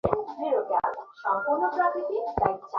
তাকে কেউ স্পর্শ করবি না।